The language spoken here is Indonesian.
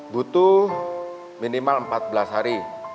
butuh minimal empat belas hari